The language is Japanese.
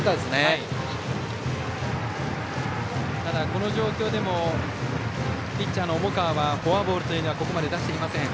この状況でもピッチャーの重川はフォアボールというのはここまで出していません。